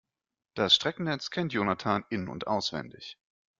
Das Streckennetz kennt Jonathan in- und auswendig.